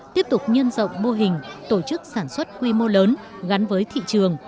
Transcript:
tiếp tục nhân rộng mô hình tổ chức sản xuất quy mô lớn gắn với thị trường